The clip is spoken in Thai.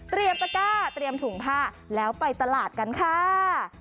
ตะก้าเตรียมถุงผ้าแล้วไปตลาดกันค่ะ